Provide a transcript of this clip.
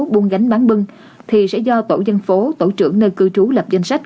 buôn gánh bán bưng thì sẽ do tổ dân phố tổ trưởng nơi cư trú lập danh sách